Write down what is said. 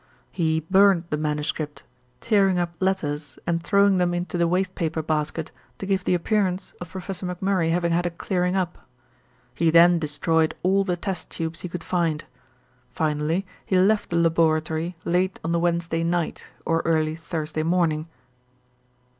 "He burned the manuscript, tearing up letters and throwing them into the waste paper basket to give the appearance of Professor McMurray having had a clearing up. He then destroyed all the test tubes he could find. Finally he left the laboratory late on the Wednesday night, or early Thursday morning."